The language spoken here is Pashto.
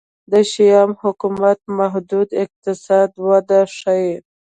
د شیام حکومت محدوده اقتصادي وده ښيي.